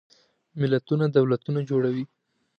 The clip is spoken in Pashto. ملتونه دولتونه جوړوي.